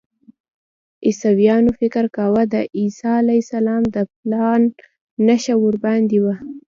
عیسویانو فکر کاوه د عیسی علیه السلام د پل نښه ورباندې وه.